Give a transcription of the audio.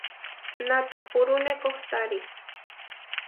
Natapúrune kohtári.